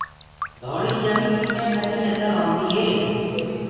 ڍوݪي جميني مي ٻني اسل هوندي هي۔